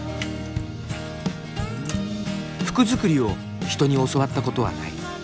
服作りを人に教わったことはない。